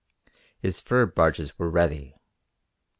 His fur barges were ready.